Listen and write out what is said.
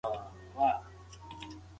يوازې هيمت او کار غواړي.